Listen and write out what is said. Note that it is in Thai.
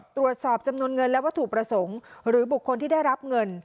ตรวจสอบจำนวนเงินและวัตถุประสงค์หรือบุคคลที่ได้รับเงิน